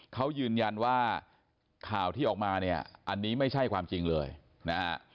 เขายืนยันว่าข่าวที่ออกมาเนี่ยอันนี้ไม่ใช่ความจริงเลยนะฮะ